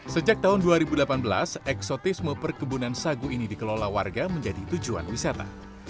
sejak tahun dua ribu delapan belas eksotisme perkebunan sagu ini dikelola warga menjadi tujuan wisata